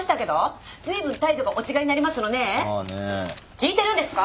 聞いてるんですか！？